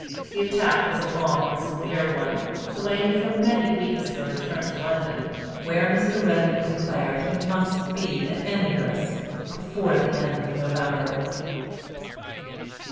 The attack was a long and severe one, delaying for many weeks their return to London, where Mr. Redmain declared he must be, at any risk, before the end of November.